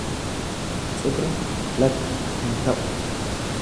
Cibra lakki, hin ta'u.